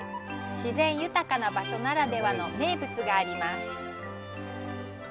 自然豊かな場所ならではの名物があります。